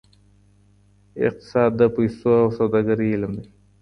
اقتصاد د پیسو او سوداګرۍ علم دی.